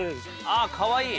◆ああ、かわいい。